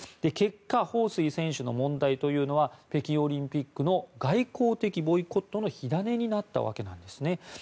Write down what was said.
結果、ホウ・スイ選手の問題というのは北京オリンピックの外交的ボイコットの火種になったわけなんですね。